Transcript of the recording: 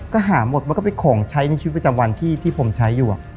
ก็หาหมดมันก็เป็นของใช้ในชีวิตประจำวันที่ผมใช้อยู่